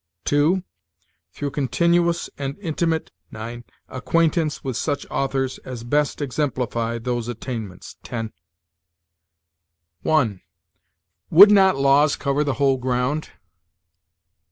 (2) Through continuous and intimate acquaintance with such authors as best exemplify those attainments." 1. Would not laws cover the whole ground?